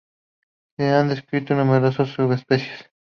Se han descrito numerosas subespecies.